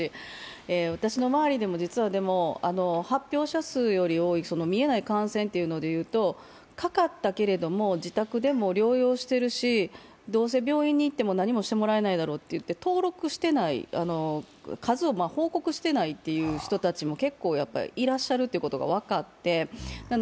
私の周りでも発表者数より多い見えない感染ということでいうとかかったけれども、自宅でも療養しているし、どうせ病院に行っても何もしてもらえないだろうといって登録してない、数を報告してないという人たちも結構いらっしゃるということが分かって。